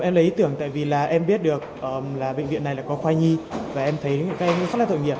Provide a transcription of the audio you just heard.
em lấy ý tưởng tại vì em biết được bệnh viện này có khoai nhi và em thấy các em rất là tội nghiệp